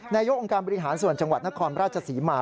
นายกองค์การบริหารส่วนจังหวัดนครราชศรีมา